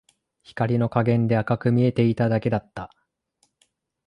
光の加減で赤く見えていただけだった